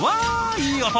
いい音！